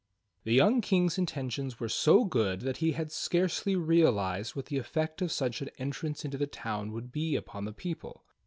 The young King's intentions were so good that he had scarcely realized what the effect of such an entrance into the town would be upon the people.